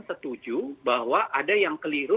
setuju bahwa ada yang keliru